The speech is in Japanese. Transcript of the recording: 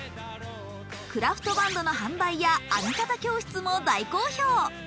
クラフトバンドの販売や編み方教室も大好評。